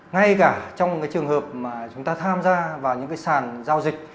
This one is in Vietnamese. ngay cả trong trường hợp mà chúng ta tham gia vào những sàn giao dịch